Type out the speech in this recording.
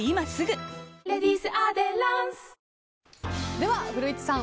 では、古市さん